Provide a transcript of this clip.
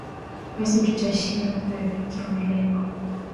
basi tutashindwa kuyafikia malengo